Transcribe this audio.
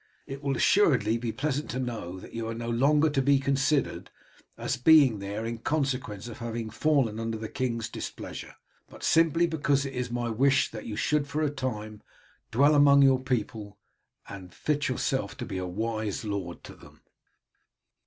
It will assuredly be pleasant for you to know that you are no longer to be considered as being there in consequence of having fallen under the king's displeasure, but simply because it is my wish that you should for a time dwell among your people, and fit yourself to be a wise lord to them."